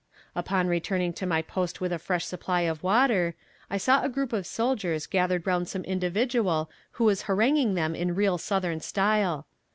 Upon returning to my post with a fresh supply of water, I saw a group of soldiers gathered around some individual who was haranguing them in real Southern style.